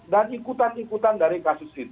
dan ikutan ikutan dari kasus itu